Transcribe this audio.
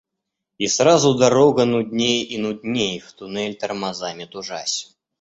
И сразу дорога нудней и нудней, в туннель, тормозами тужась.